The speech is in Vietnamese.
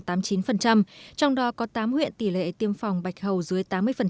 trong đó có tám huyện tỷ lệ tiêm phòng bạch hầu dưới tám mươi